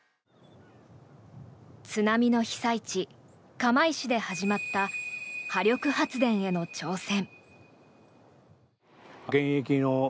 津波の被災地、釜石で始まった波力発電への挑戦。